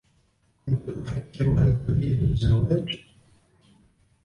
كنت أفكر هل تريد الزواج ؟